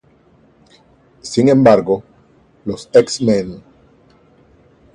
Sin embargo, los X-Men.